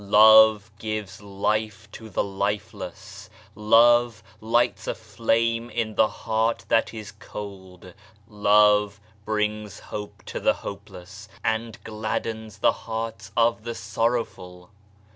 Love gives life to the lifeless. Love lights a flame in the heart that is cold. Love brings hope to the hope less and gladdens the hearts of the sorrowful.